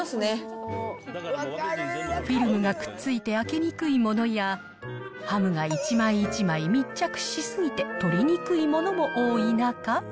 フィルムがくっついて開けにくいものや、ハムが一枚一枚密着し過ぎて、取りにくいものも多い中。